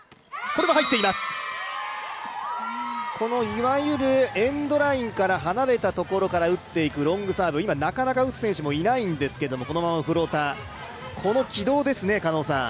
いわゆるエンドラインから離れたところから打ってくるロングサーブ、今、なかなか打つ選手もいないんですが、このままフローター、この軌道ですね、狩野さん。